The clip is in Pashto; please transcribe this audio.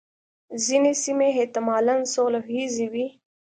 ځینې سیمې احتمالاً سوله ییزې وې.